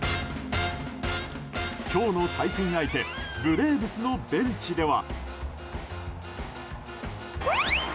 今日の対戦相手ブレーブスのベンチでは。